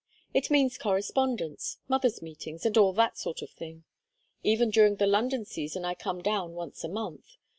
It means correspondence, mothers' meetings, and all that sort of thing. Even during the London season I come down once a month.